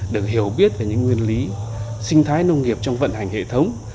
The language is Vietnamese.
được hiểu biết về những nguyên lý sinh thái nông nghiệp trong vận hành hệ thống